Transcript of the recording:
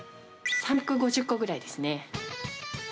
３５０個ぐらいですね。